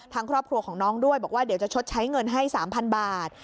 ครอบครัวของน้องด้วยบอกว่าเดี๋ยวจะชดใช้เงินให้๓๐๐๐บาท